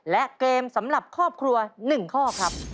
และเกมสำหรับครอบครัว๑ข้อครับ